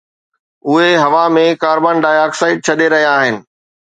اهي هوا ۾ carbon dioxide ڇڏي رهيا آهن